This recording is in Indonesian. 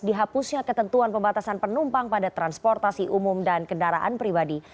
dihapusnya ketentuan pembatasan penumpang pada transportasi umum dan kendaraan pribadi